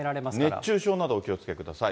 熱中症などお気をつけください。